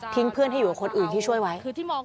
ทิ้งเพื่อนให้อยู่กับคนอื่นที่ช่วยไว้